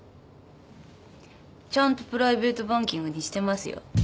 ちゃんとプライベートバンキングにしてますよ。